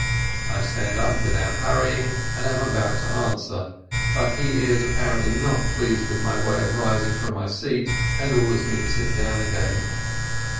I stand up without hurrying, and am about to answer, but he is apparently not pleased with my way of rising from my seat, and orders me to sit down again.